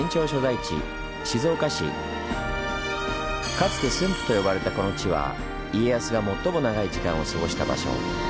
かつて「駿府」と呼ばれたこの地は家康が最も長い時間を過ごした場所。